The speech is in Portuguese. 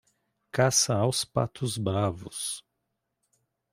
Caça aos patos bravos